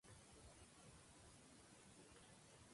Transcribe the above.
Hizo su debut en la Copa Davis en la eliminatoria ante Ucrania.